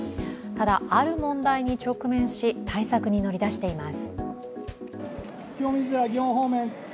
ただ、ある問題に直面し対策に乗り出しています。